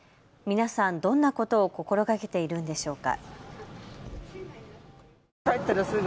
皆さん、どんなことを心がけているのでしょうか。